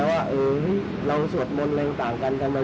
แต่ว่าเอ๋เราสวดมนตร์อะไรอย่างต่างกันกันมา